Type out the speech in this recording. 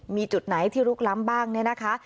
มีจุดไหนที่ลุกล้ำบ้างเนี่ยนะคะ